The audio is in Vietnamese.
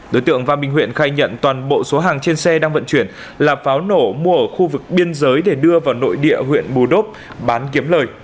đối tượng va minh huyện khai nhận toàn bộ số hàng trên xe đang vận chuyển là pháo nổ mua ở khu vực biên giới để đưa vào nội địa huyện bù đốp bán kiếm lời